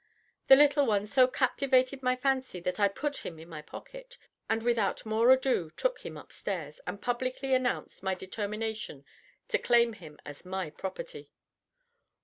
The little one so captivated my fancy that I put him in my pocket, and without more ado took him upstairs, and publicly announced my determination to claim him as my property.